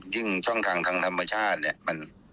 ยิ่งช่องทางทางธรรมชาติเนี่ย